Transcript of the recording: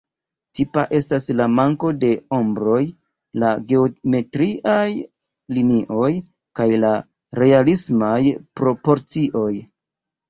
Tipa estas la manko de ombroj, la geometriaj linioj, kaj la realismaj proporcioj.